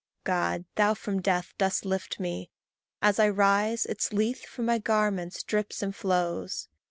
God, thou from death dost lift me. As I rise, Its Lethe from my garment drips and flows.